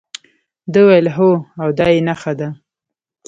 ده وویل هو او دا یې نخښه ده.